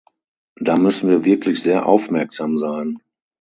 Da müssen wir wirklich sehr aufmerksam sein.